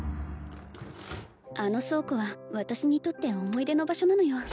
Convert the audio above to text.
あの倉庫は私にとって思い出の場所なのよ